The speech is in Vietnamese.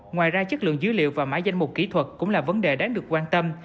ngoài ra chất lượng dữ liệu và mã danh mục kỹ thuật cũng là vấn đề đáng được quan tâm